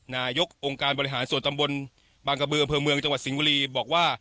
นายกองค์การบริหารส่วนตำบลบางกระบืออำเภอเมืองจังหวัดสิงห์บุรีบอกว่า